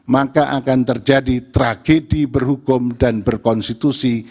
maka akan terjadi tragedi berhukum dan berkonstitusi